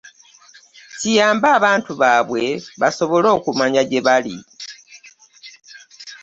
Kiyambe abantu baabwe basobole okumanya gyebali.